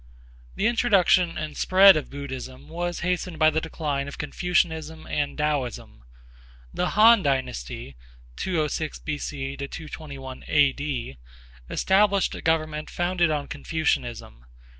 The introduction and spread of Buddhism were hastened by the decline of Confucianism and Taoism. The Han dynasty (206 B. C. 221 A. D.) established a government founded on Confucianism.